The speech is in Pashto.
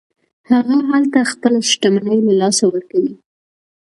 هغه هلته خپله شتمني له لاسه ورکوي.